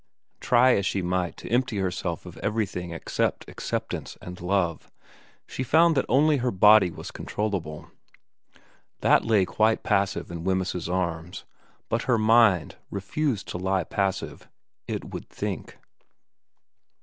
Try as she might to empty herself of everything except acceptance and love, she found that only her body was controllable. That lay quite passive in Wemyss's arms ; but her mind refused to lie passive, it would think.